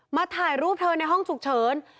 ถ่ายรูปเธอในห้องฉุกเฉิน